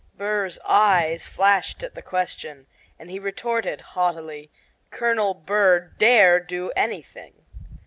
Burr's eyes flashed fire at the question, and he retorted, haughtily: "Colonel Burr DARE do anything."